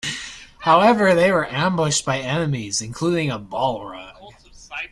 However, they were ambushed by enemies, including a Balrog.